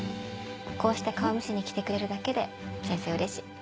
こうして顔見せに来てくれるだけで先生嬉しい。